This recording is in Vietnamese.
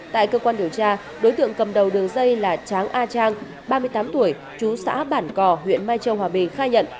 tại cơ quan điều tra đối tượng cầm đầu đường dây là tráng a trang ba mươi tám tuổi chú xã bản cò huyện mai châu hòa bình khai nhận